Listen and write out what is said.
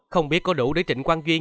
không biết có đủ để trịnh quang duyên